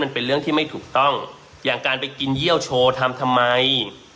มันเป็นเรื่องที่ไม่ถูกต้องอย่างการไปกินเยี่ยวโชว์ทำทำไม